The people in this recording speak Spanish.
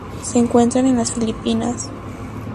Se encuentran en las Filipinas.